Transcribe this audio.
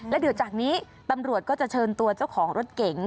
แล้วเดี๋ยวจากนี้ตำรวจก็จะเชิญตัวเจ้าของรถเก๋ง